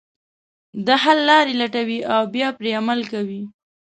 د حل لارې لټوي او بیا پرې عمل کوي.